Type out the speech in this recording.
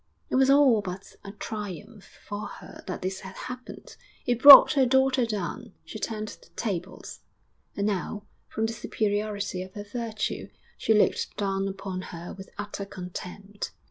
It was all but a triumph for her that this had happened. It brought her daughter down; she turned the tables, and now, from the superiority of her virtue, she looked down upon her with utter contempt.